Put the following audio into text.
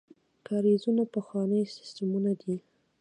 کاریزونه پخواني سیستمونه دي.